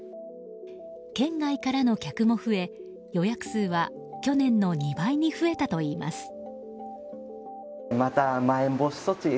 県外からの客も増え、予約数は去年の２倍に増えたといいます。